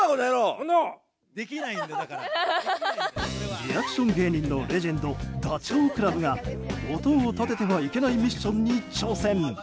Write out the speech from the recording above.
リアクション芸人のレジェンドダチョウ倶楽部が音を立ててはいけないミッションに挑戦。